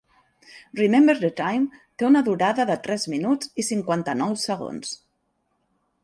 "Remember the Time" té una durada de tres minuts i cinquanta-nou segons.